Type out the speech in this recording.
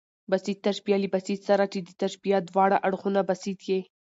بسیط تشبیه له بسیط سره، چي د تشبیه د واړه اړخونه بسیط يي.